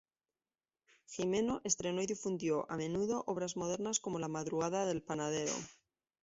Gimeno estrenó y difundió, a menudo, obras modernas como "La madrugada del panadero", op.